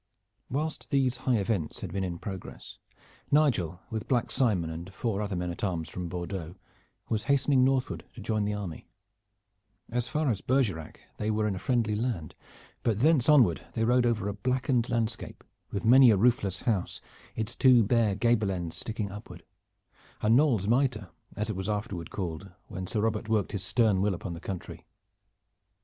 Whilst these high events had been in progress, Nigel with Black Simon and four other men at arms from Bordeaux, was hastening northward to join the army. As far as Bergerac they were in a friendly land, but thence onward they rode over a blackened landscape with many a roofless house, its two bare gable ends sticking upward a "Knolles' miter" as it was afterward called when Sir Robert worked his stern will upon the country.